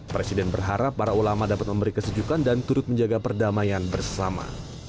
presiden berharap para ulama dapat memberi kesejukan dan turut menjaga perdamaian bersama